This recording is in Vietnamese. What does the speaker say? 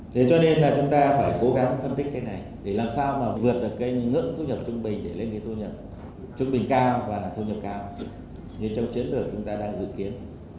thế cho nên là chúng ta phải cố gắng phân tích cái này để làm sao mà vượt được cái ngưỡng thu nhập trung bình để lên cái thu nhập trung bình cao và là thu nhập cao như trong chiến lược chúng ta đang dự kiến